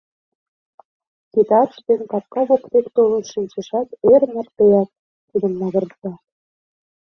Гитарыж дене капка воктек толын шинчешат, эр мартеак тудым магырта.